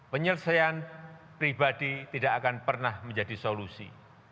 penyelesaian pribadi tidak akan pernah menjadi solusi